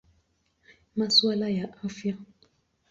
Masuala ya Afya.